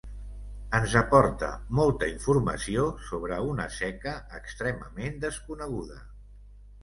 Ens aporta molta informació sobre una seca extremament desconeguda.